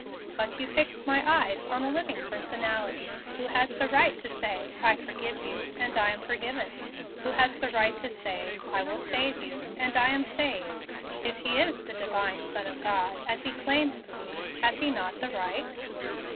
But you fixed my eyes on a living personality, who has the right to say, 'I forgive you,' and I am forgiven; who has the right to say, 'I will save you,' and I am saved. If He is the Divine Son of God, as He claims to be, has He not the right?"